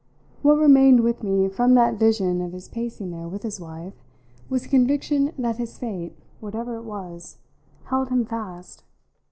What remained with me from that vision of his pacing there with his wife was the conviction that his fate, whatever it was, held him fast.